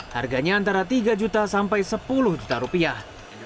harganya antara tiga juta sampai sepuluh juta rupiah